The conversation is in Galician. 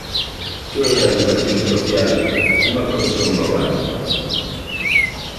Que é a Educación Social unha profesión nova?